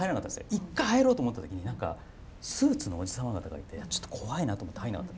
一回入ろうと思った時に何かスーツのおじ様方がいてちょっと怖いなと思って入んなかった。